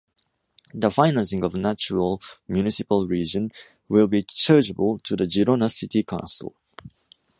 The financing of the Natural Municipal Region will be chargeable to the Girona City Council.